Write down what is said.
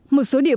một số điệp